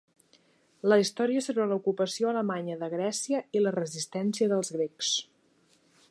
La història sobre l'ocupació alemanya de Grècia i la resistència dels grecs.